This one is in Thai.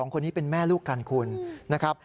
คนนี้เป็นแม่ลูกกันคุณนะครับ